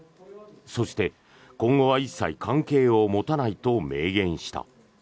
そして、今後は一切関係を持たないと明言した。